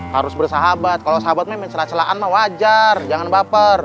harus bersahabat kalau bersahabat memang celan celan wajar jangan baper